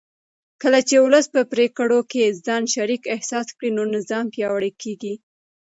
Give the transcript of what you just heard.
کله چې ولس په پرېکړو کې ځان شریک احساس کړي نو نظام پیاوړی کېږي